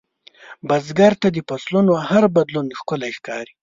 بزګر ته د فصلونـو هر بدلون ښکلی ښکاري